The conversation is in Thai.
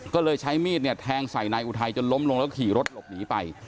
ก็เลยใช้มีดเนี่ยแทงใส่นายอุทัยจนล้มลงแล้วขี่รถหลบหนีไป